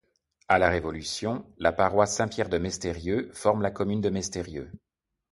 À la Révolution, la paroisse Saint-Pierre de Mesterrieux forme la commune de Mesterrieux.